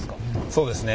そうですね。